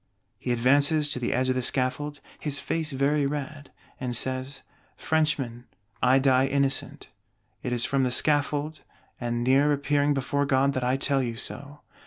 He advances to the edge of the Scaffold, "his face very red," and says: "Frenchmen, I die innocent: it is from the Scaffold and near appearing before God that I tell you so.